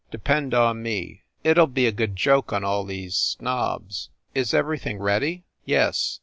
Depend on me. It ll be a good joke on all these snobs. Is everything ready?" "Yes.